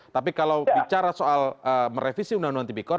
tapi kalau bicara soal merevisi undang undang tipikor